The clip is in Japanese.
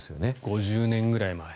５０年ぐらい前。